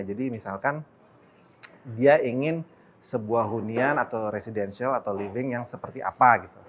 jadi misalkan dia ingin sebuah hunian atau residential atau living yang seperti apa